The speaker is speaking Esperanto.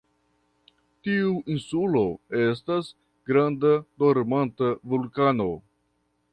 Tiu insulo estas granda dormanta vulkano.